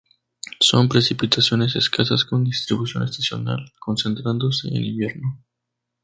Son precipitaciones escasas con distribución estacional, concentrándose en invierno.